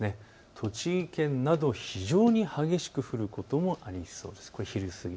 栃木県など非常に激しく降ることもありそうです。